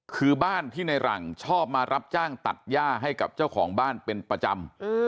คือบ้านที่ในหลังชอบมารับจ้างตัดย่าให้กับเจ้าของบ้านเป็นประจำ